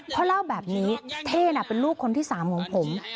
เพราะเล่าแบบนี้เท่เป็นลูกคนที่สามของผม